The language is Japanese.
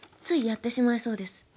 ついやってしまいそうです。